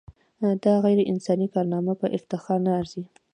دا غیر انساني کارنامه په افتخار نه ارزي.